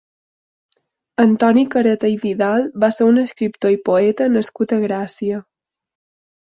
Antoni Careta i Vidal va ser un escriptor i poeta nascut a Gràcia.